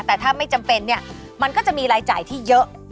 แต่ถ้าไม่จำเป็นเนี่ยมันก็จะมีรายจ่ายที่เยอะ